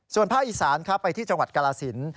ส่วนภาคอีสานไปที่จังหวัดกาลาศิลป์